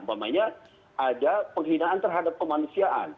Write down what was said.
umpamanya ada penghinaan terhadap kemanusiaan